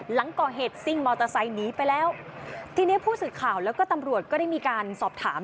หลังก่อเหตุซิ่งมอเตอร์ไซค์หนีไปแล้วทีนี้ผู้สื่อข่าวแล้วก็ตำรวจก็ได้มีการสอบถาม